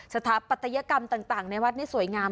สถาปัตยกรรมต่างในวัดนี้สวยงาม